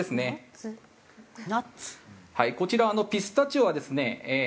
こちらピスタチオはですね